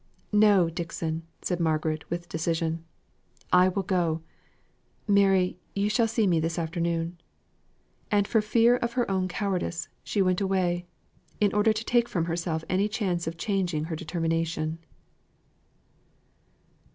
"No, Dixon!" said Margaret with decision. "I will go. Mary, you shall see me this afternoon." And for fear of her own cowardice, she went away, in order to take from herself any chance of changing her determination.